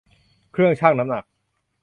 เครื่องชั่งน้ำหนัก